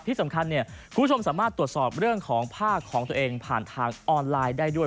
ที่สำคัญคุณผู้ชมสามารถตรวจสอบเรื่องของผ้าของตัวเองผ่านทางออนไลน์ได้ด้วย